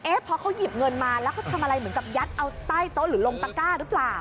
พอเขาหยิบเงินมาแล้วเขาทำอะไรเหมือนกับยัดเอาใต้โต๊ะหรือลงตะก้าหรือเปล่า